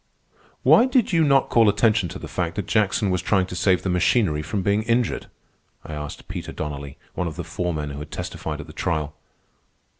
"Why did you not call attention to the fact that Jackson was trying to save the machinery from being injured?" I asked Peter Donnelly, one of the foremen who had testified at the trial.